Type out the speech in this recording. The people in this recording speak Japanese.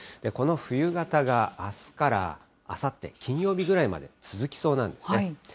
この冬型があすからあさって金曜日ぐらいまで続きそうなんですね。